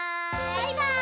「バイバーイ！」